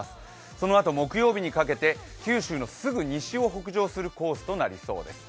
そのあと木曜日にかけて九州のすぐ西を通るコースとなりそうです。